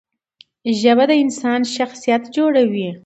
ژبه د انسان شخصیت جوړوي.